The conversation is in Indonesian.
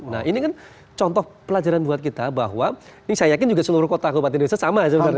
nah ini kan contoh pelajaran buat kita bahwa ini saya yakin juga seluruh kota kabupaten di indonesia sama sebenarnya